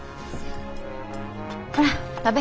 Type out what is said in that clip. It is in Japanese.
ほら食べ。